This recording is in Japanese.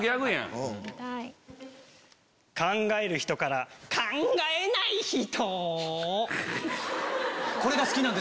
『考える人』から考えない人！